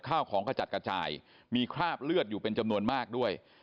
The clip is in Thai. ข้าวของกระจัดกระจายมีคราบเลือดอยู่เป็นจำนวนมากด้วย